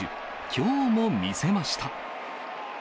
きょうも見せました。